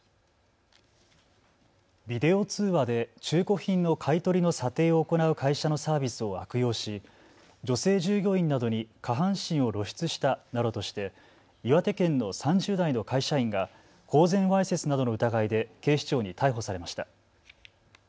ビデオ通話で中古品の買い取りの査定を行う会社のサービスを悪用し女性従業員などに下半身を露出したなどとして岩手県の３０代の会社員が公然わいせつなどの疑いで警視庁に逮捕されました。